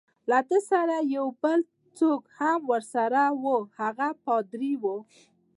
له ده سره یو بل څوک هم ورسره وو، هغه پادري وو.